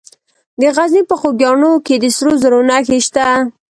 د غزني په خوږیاڼو کې د سرو زرو نښې شته.